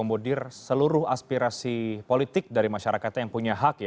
yang kemudian kita akan mengakomodir seluruh aspirasi politik dari masyarakat yang punya hak